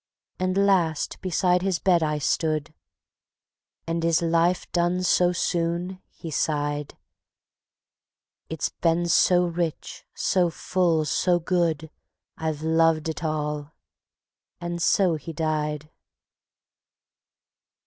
At last beside his bed I stood: "And is Life done so soon?" he sighed; "It's been so rich, so full, so good, I've loved it all ..." and so he died.